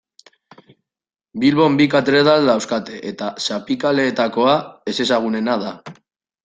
Bilbon bi katedral dauzkate eta Zapikaleetakoa ezezagunena da.